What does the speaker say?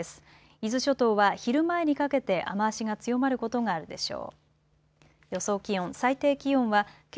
伊豆諸島は昼前にかけて雨足が強まることがあるでしょう。